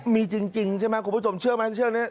มีจริงใช่ไหมคุณผู้ชมเชื่อไหมเชื่อนี้